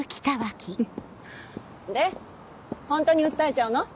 でホントに訴えちゃうの？